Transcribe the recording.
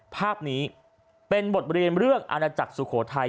ภาพนี้เป็นบทเรียนเรื่องอาณาจักรสุโขทัย